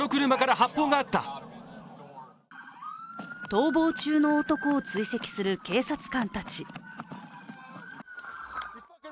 逃亡中の男を追跡する警察官たち。